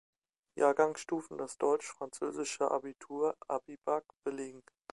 Jahrgangsstufen das deutsch-französische Abitur Abibac belegen.